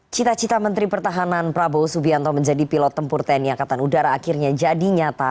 cita cita menteri pertahanan prabowo subianto menjadi pilot tempur tni angkatan udara akhirnya jadi nyata